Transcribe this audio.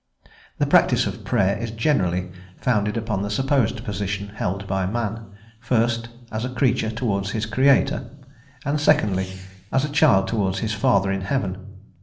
The practice of Prayer is generally founded upon the supposed position held by man first, as a creature towards his Creator, and secondly, as a child towards his Father in heaven.